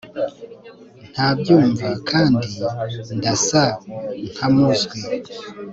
Ntabyumva kandi ndasa nkamuzwi